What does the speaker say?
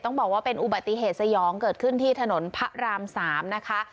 ต้องบอกว่าเป็นอุบัติเหตุสยองเกิดขึ้นที่ถนนพระราม๓นะคะ